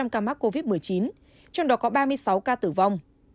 một tám trăm linh ca mắc covid một mươi chín trong đó có ba mươi sáu ca tử vong